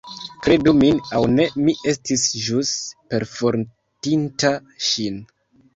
Kredu min aŭ ne, mi estis ĵus perfortinta ŝin.